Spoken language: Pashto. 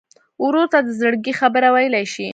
ورور ته د زړګي خبره ویلی شې.